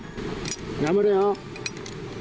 頑張れよ。